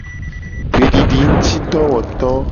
Gbedidingutidowoto.